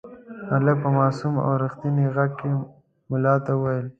هلک په معصوم او رښتیني غږ کې ملا ته وویل.